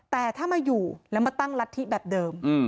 แต่ถ้ามาอยู่แล้วมาตั้งรัฐธิแบบเดิม